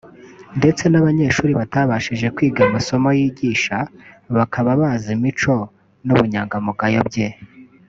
ndetse n’abanyeshuri batabashije kwiga amasomo yigisha bakaba bazi imico n’ubunyangamugayo bye